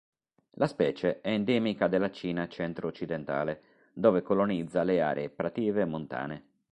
La specie è endemica della Cina centro-occidentale, dove colonizza le aree prative montane.